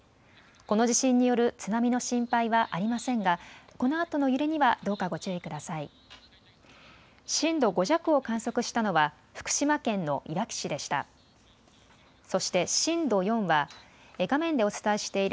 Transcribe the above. この地震による津波の心配はありませんがこのあとの揺れにはどうかご注意ください。